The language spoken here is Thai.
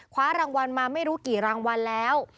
คว้ารางวัลมาไม่รู้กี่รางวัลแล้ว